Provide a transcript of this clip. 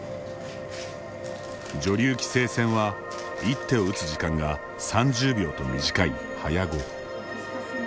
女流棋聖戦は一手を打つ時間が３０秒と短い早碁。